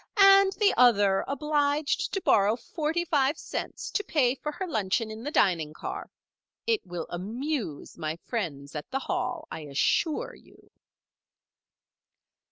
"And the other obliged to borrow forty five cents to pay for her luncheon in the dining car. It will amuse my friends at the Hall, I assure you."